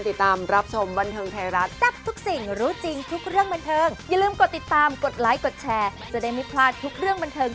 อิ่มพื้นที่เหลือเกิน